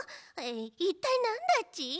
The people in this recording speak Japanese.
いったいなんだち？